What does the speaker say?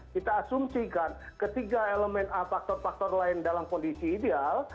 kita asumsikan ketiga elemen a faktor faktor lain dalam kondisi ideal